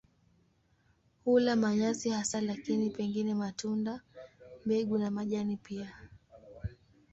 Hula manyasi hasa lakini pengine matunda, mbegu na majani pia.